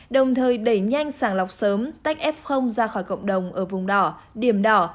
đồng thời đẩy nhanh sàng lọc sớm tách f ra khỏi cộng đồng ở vùng đỏ điểm đỏ